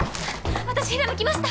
私ひらめきました。